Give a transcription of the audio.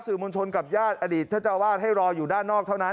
สื่อมนต์ชนกับญาติอดีตเจ้าอวาดให้รออยู่ด้านนอกเท่านั้น